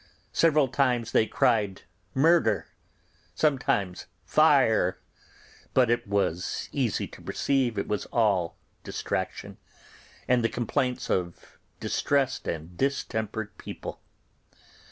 Several times they cried 'Murder', sometimes 'Fire'; but it was easy to perceive it was all distraction, and the complaints of distressed and distempered people.